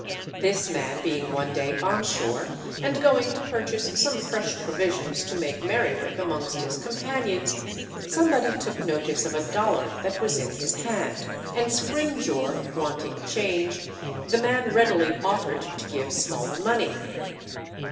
This man being one day on shore and going to purchase some fresh provisions to make merry with amongst his companions, somebody took notice of a dollar that was in his hand, and Scrimgeour wanting change, the man readily offered to give smaller money.